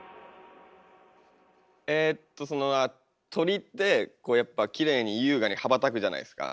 えっとその鳥ってこうやっぱきれいに優雅に羽ばたくじゃないですか。